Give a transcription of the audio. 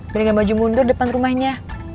berikan baju mundur depan rumahnya